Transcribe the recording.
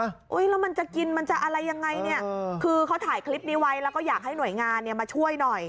แล้วมันจะกินมันจะอะไรยังไงเนี่ยคือเขาถ่ายคลิปนี้ไว้แล้วก็อยากให้หน่วยงานมาช่วยหน่อย